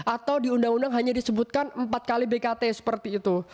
atau di undang undang hanya disebutkan empat kali bkt seperti itu